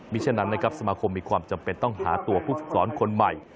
ฉะนั้นนะครับสมาคมมีความจำเป็นต้องหาตัวผู้ฝึกสอนคนใหม่